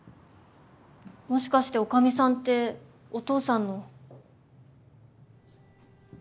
もしかして女将さんっておとうさんの。